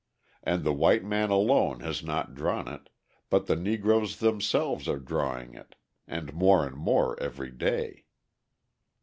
And the white man alone has not drawn it, but the Negroes themselves are drawing it and more and more every day.